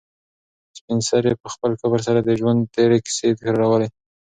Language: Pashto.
سپین سرې په خپل کبر سره د ژوند تېرې کیسې تکرارولې.